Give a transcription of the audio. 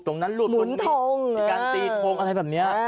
ตรงนั้นหลุดมีการตีทงอะไรแบบนี้